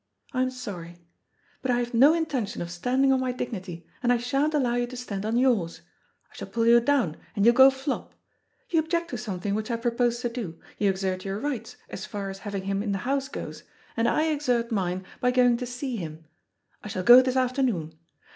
I am sorry. But I have no intention of standing on my dignity, and I sha'n't allow you to stand on yours. I shall pull you down, and you'll go flop. You object to something which I propose to do, you exert your rights, as far as having him in the house goes, and I exert mine by going to see him. I shall go this afternoon.